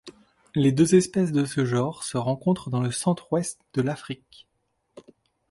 Les deux espèces de ce genre se rencontrent dans le centre-Ouest de l'Afrique.